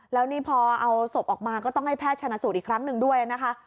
แล้วนี่พอเอาศพออกมาก็ต้องให้แพทย์ชนะสูตรอีกครั้งหนึ่งด้วยนะคะ